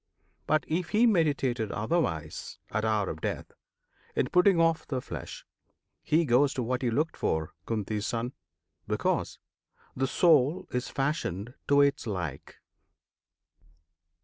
But, if he meditated otherwise At hour of death, in putting off the flesh, He goes to what he looked for, Kunti's Son! Because the Soul is fashioned to its like.